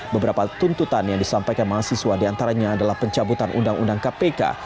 beberapa tuntutan yang disampaikan mahasiswa diantaranya adalah pencabutan undang undang kpk